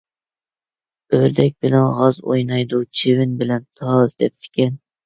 «ئۆردەك بىلەن غاز ئوينايدۇ، چىۋىن بىلەن تاز» دەپتىكەن.